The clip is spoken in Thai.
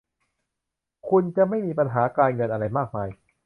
คุณจะไม่มีปัญหาการเงินอะไรมากมาย